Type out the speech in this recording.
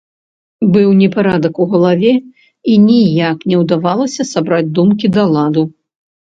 Быў непарадак у галаве, і ніяк не ўдавалася сабраць думкі да ладу.